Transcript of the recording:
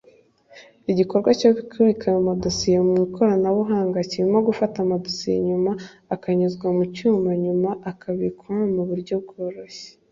Igikorwa cyo kubika ayo madosiye mu ikoranabuhanga kirimo gufata amadosiye akanyuzwa mu cyuma nyuma akabikwa mu buryo bworoshye